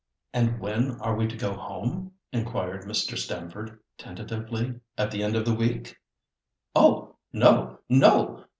"And when are we to go home?" inquired Mr. Stamford tentatively; "at the end of the week?" "Oh! no, no!